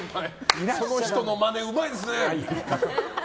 その人のマネうまいですね。